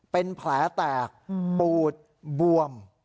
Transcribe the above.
เป็นแผลแตกปูดบวม